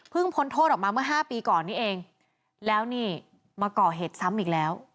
พ้นโทษออกมาเมื่อ๕ปีก่อนนี้เองแล้วนี่มาก่อเหตุซ้ำอีกแล้ว